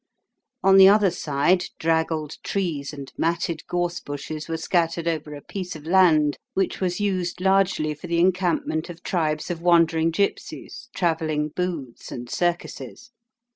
On the other side, draggled trees and matted gorse bushes were scattered over a piece of land which was used largely for the encampment of tribes of wander ing gipsies, travelling booths, and circuses.